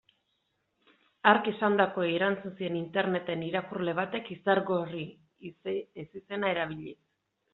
Hark esandakoei erantzun zien interneten irakurle batek, Izargorri ezizena erabiliz.